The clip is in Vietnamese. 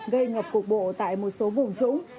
gây ngập cục bộ tại một số vùng trũng